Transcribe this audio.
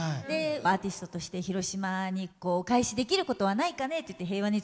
「アーティストとして広島にお返しできることはないかね」って言っていやほんま。